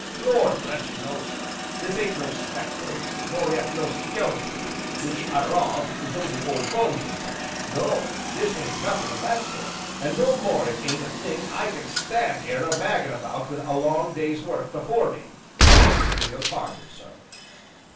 "Lord bless you, no sir! This ain't no spectre, nor yet no skellington, which, arter all, is only old bones an' such, no this ain't nothin' of that sort, an' no more it ain't a thing as I can stand 'ere a maggin' about wi' a long day's work afore me, axing your pardon, sir."